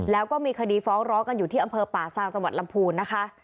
แล้วก็มีคดีฟ้องร้องกันอยู่ที่อำเภอป่าซางจังหวัดลำพูนนะคะ